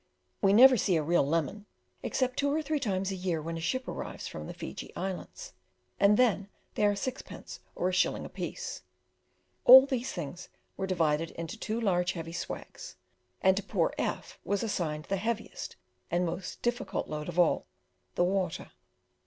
We never see a real lemon, except two or three times a year when a ship arrives from the Fiji islands, and then they are sixpence or a shilling apiece. All these things were divided into two large heavy "swags," and to poor F was assigned the heaviest and most difficult load of all the water.